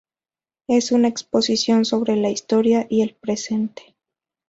Es una exposición sobre la historia y el presente.